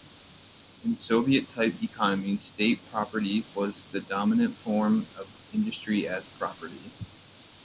In Soviet-type economies, state property was the dominant form of industry as property.